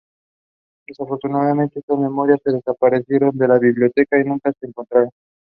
Desafortunadamente, estas memorias se desaparecieron de la biblioteca y nunca se encontraron.